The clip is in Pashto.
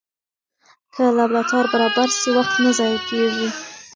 که لابراتوار برابر سي، وخت نه ضایع کېږي.